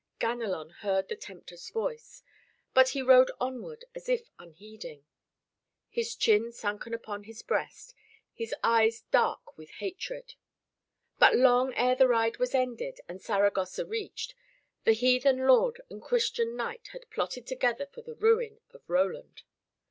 Ganelon heard the tempter's voice, but he rode onward as if unheeding, his chin sunken upon his breast, his eyes dark with hatred. But long ere the ride was ended and Saragossa reached, the heathen lord and Christian knight had plotted together for the ruin of Roland.